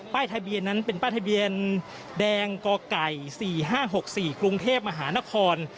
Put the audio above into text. ทะเบียนนั้นเป็นป้ายทะเบียนแดงกไก่๔๕๖๔กรุงเทพมหานคร